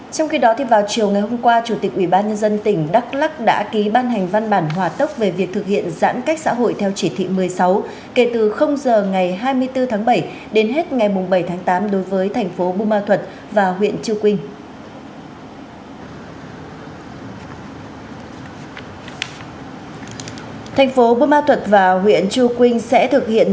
trong khi đó thì vào chiều ngày hôm qua chủ tịch ubnd tỉnh đắk lắc đã ký ban hành văn bản hòa tốc về việc thực hiện giãn cách xã hội theo chỉ thị một mươi sáu kể từ h ngày hai mươi bốn tháng bảy đến hết ngày bảy tháng tám đối với thành phố bù ma thuật và huyện chư quynh